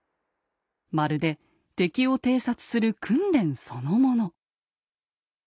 まるで敵を偵察する訓練そのもの。